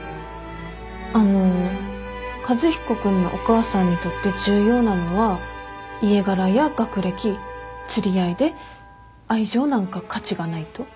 あの和彦君のお母さんにとって重要なのは家柄や学歴釣り合いで愛情なんか価値がないと。